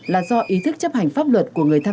là do ý thức chấp hành pháp luật của người tham